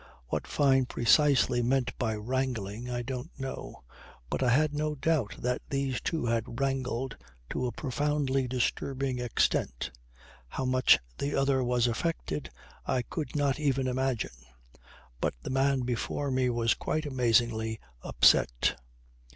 What Fyne precisely meant by "wrangling" I don't know, but I had no doubt that these two had "wrangled" to a profoundly disturbing extent. How much the other was affected I could not even imagine; but the man before me was quite amazingly upset.